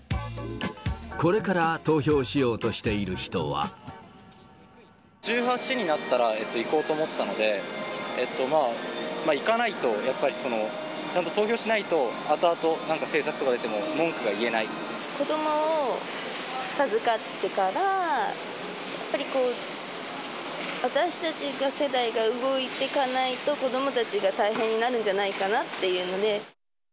これから投票しようとしてい１８になったら、行こうと思ってたので、行かないとやっぱり、ちゃんと投票しないと、あとあと、なんか政子どもを授かってから、やっぱりこう、私たち世代が動いていかないと、子どもたちが大変になるんじゃないかなっていうので。